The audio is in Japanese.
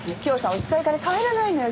お使いから帰らないのよ。